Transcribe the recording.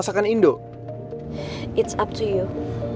sekarang tinggal ganti captionnya deh